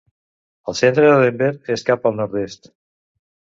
El centre de Denver és cap al nord-est.